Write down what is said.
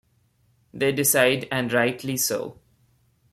They decide-and rightly so.